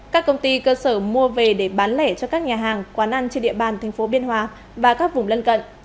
các công ty cơ sở mua về để bán lẻ cho các nhà hàng quán ăn trên địa bàn tp biên hòa và các vùng lân cận